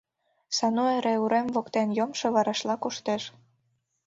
Сану эре урем воктен йомшо варашла коштеш.